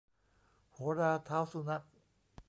โหราเท้าสุนัข